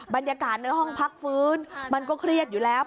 บรรยากาศในห้องพักฟื้นมันก็เครียดอยู่แล้ว